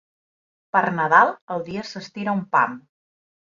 Per Nadal el dia s'estira un pam.